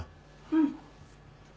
うん。